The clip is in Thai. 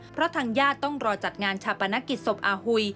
เพราะทางญาติต้องรอจัดงานชาปนกิจศพอาหุย